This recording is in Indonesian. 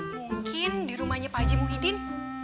mungkin di rumahnya pak haji muhyiddin